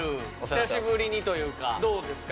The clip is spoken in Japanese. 久しぶりにというかどうですか